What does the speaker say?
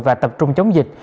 và tập trung chống dịch